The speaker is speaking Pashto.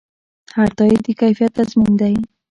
هر تایید د کیفیت تضمین دی.